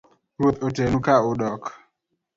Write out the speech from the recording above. Ruoth otelnu ka udok